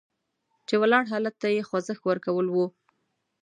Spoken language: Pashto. چې ولاړ حالت ته یې خوځښت ورکول وو.